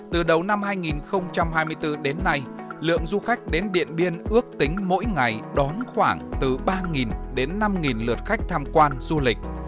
từ đầu năm hai nghìn hai mươi bốn đến nay lượng du khách đến điện biên ước tính mỗi ngày đón khoảng từ ba đến năm lượt khách tham quan du lịch